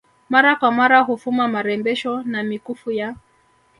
mara kwa mara hufuma marembesho na mikufu ya